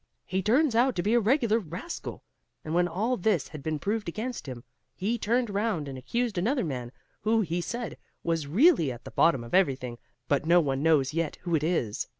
He turns out to be a regular rascal. And when all this had been proved against him, he turned round and accused another man, who, he said, was really at the bottom of everything; but no one knows yet who it is.